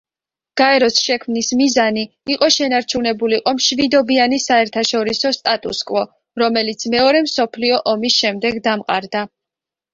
გაეროს შექმნის მიზანი იყო შენარჩუნებულიყო მშვიდობიანი საერთაშორისო სტატუს-კვო, რომელიც მეორე მსოფლიო ომის შემდეგ დამყარდა.